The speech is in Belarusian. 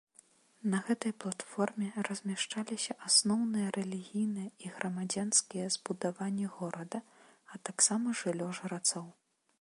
На гэтай платформе размяшчаліся асноўныя рэлігійныя і грамадзянскія збудаванні горада, а таксама жыллё жрацоў.